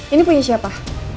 ini punya siapa